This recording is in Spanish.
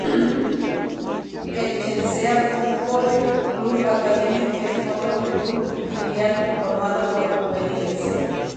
El Chelsea Football Club Academy es otro club filial conformado por juveniles.